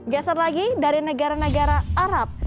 geser lagi dari negara negara arab